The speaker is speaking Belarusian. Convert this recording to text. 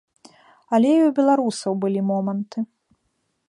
Але і ў беларусаў былі моманты.